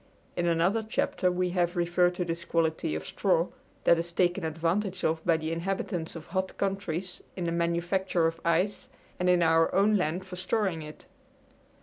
In another chapter we have referred to this quality of straw, that is taken advantage of by the inhabitants of hot countries in the manufacture of ice and in our own land for storing it.